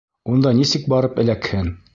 Унда нисек барып эләкһен?